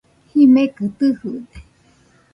Jimekɨ tɨjɨde